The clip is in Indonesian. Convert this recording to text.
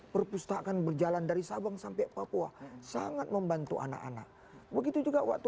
perpustakaan berjalan dari sabang sampai papua sangat membantu anak anak begitu juga waktu